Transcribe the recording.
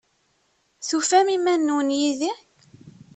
Tufam iman-nwen yid-i?